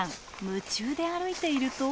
夢中で歩いていると。